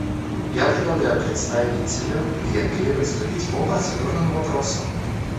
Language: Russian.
Я предлагаю представителю Венгрии выступить по процедурному вопросу.